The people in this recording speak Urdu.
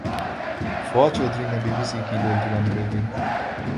فواد چوہدری نے بی بی سی کی بولتی بند کردی